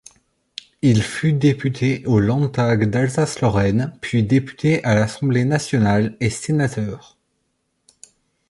Il fut député au Landtag d'Alsace-Lorraine, puis député à l'Assemblée nationale et sénateur.